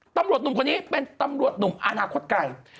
หนุ่มคนนี้เป็นตำรวจหนุ่มอนาคตไกล